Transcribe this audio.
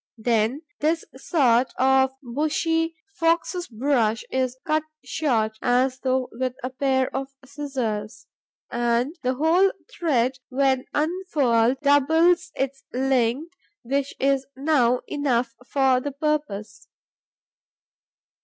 Then this sort of bushy fox's brush is cut short, as though with a pair of scissors, and the whole thread, when unfurled, doubles its length, which is now enough for the purpose.